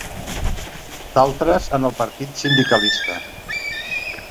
D'altres en el Partit Sindicalista.